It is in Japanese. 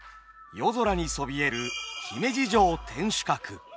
夜空にそびえる姫路城天守閣。